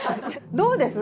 どうです？